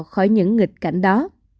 khỏi những nghịch cảnh đó